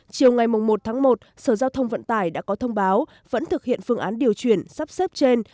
chiều ngày một tháng một sở giao thông vận tải đã có thông báo vẫn thực hiện phương án điều chuyển sắp xếp trên